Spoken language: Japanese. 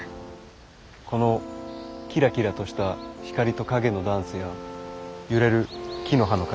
このきらきらとした光と影のダンスや揺れる木の葉の形